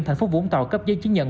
thành phố vũng tàu cấp giấy chứng nhận